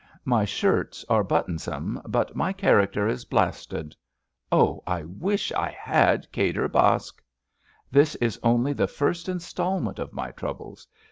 My shirts are buttonsome, but my character is blasted. Oh, I wish I had Kadir Baksh ! This is only the first instalment of my troubles.